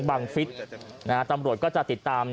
บังฟิศตำรวจก็จะติดตาม